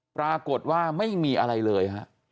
ปรากฏว่าไม่มีอะไรเลยฮะ